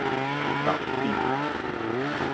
沓滴